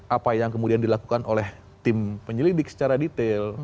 apa yang kemudian dilakukan oleh tim penyelidik secara detail